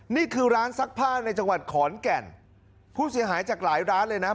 นี่คือร้านซักผ้าในจังหวัดขอนแก่นผู้เสียหายจากหลายร้านเลยนะ